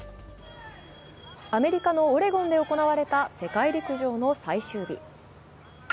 アメリカのオレゴンで行われた世界陸上の最終日。